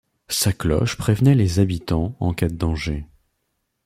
Sa cloche prévenait les habitants en cas de danger.